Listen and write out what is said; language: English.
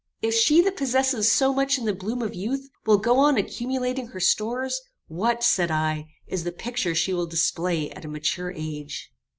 If she that possesses so much in the bloom of youth, will go on accumulating her stores, what, said I, is the picture she will display at a mature age?